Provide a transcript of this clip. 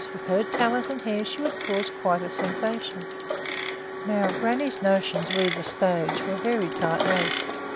With her talent and hair she would cause quite a sensation." Now grannie's notions re the stage were very tightly laced.